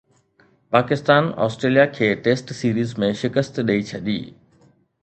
Pakistan Australia کي test series ۾ شڪست ڏئي ڇڏي